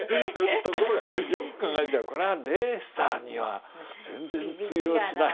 ところがよく考えたらこれはレーサーには全然通用しない。